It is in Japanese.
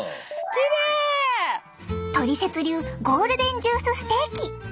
トリセツ流ゴールデンジュースステーキ召し上がれ！